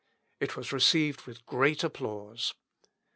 It was received with great applause.